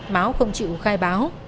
mão không chịu khai báo